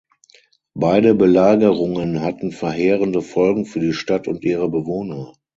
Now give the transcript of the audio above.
Beide Belagerungen hatten verheerende Folgen für die Stadt und ihre Bewohner.